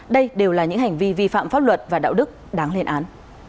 đây đều là những hành vi vi phạm pháp luật và đạo đức đáng lên án